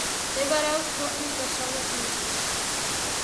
მდებარეობს ქვეყნის დასავლეთ ნაწილში.